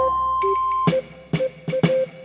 moms udah kembali ke tempat yang sama